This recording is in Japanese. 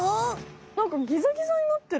なんかギザギザになってる！